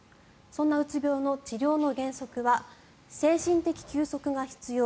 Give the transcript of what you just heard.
そんなうつ病の治療の原則は精神的休息が必要